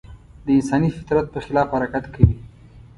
د انساني فطرت په خلاف حرکت کوي.